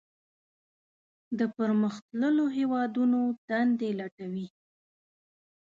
د پرمختللو هیوادونو دندې لټوي.